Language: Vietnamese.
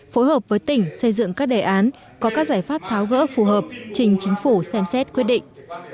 phối hợp với tỉnh xây dựng các đề án có các giải pháp tháo gỡ phù hợp trình chính phủ xem xét quyết định